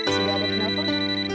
sudah ada telepon